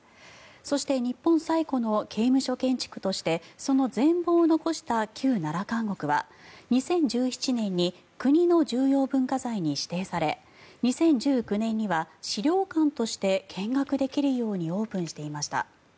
そして日本最古の刑務所建築としてその全ぼうを残した旧奈良監獄は２０１７年に国の重要文化財に指定され２０１９年には史料館として見学できるようにオープンしていました。